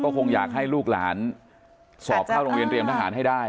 คงอยากให้ลูกหลานสอบเข้าโรงเรียนเรียมทหารให้ได้